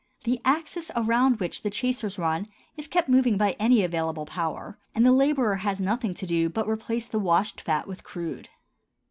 The axis around which the chasers run is kept moving by any available power, and the laborer has nothing to do but to replace the washed fat with crude.